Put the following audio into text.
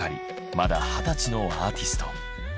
まだ二十歳のアーティスト。